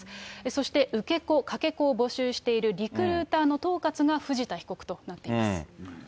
そして受け子、かけ子を募集しているリクルーターの統括が藤田被告となっています。